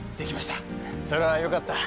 それはよかった。